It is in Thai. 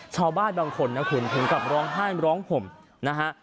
ชาวบ้านบางคนนะคุณถึงกับร้องไห้ร้องห่มนะฮะ